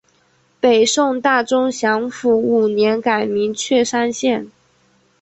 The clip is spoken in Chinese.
北宋大中祥符五年改名确山县。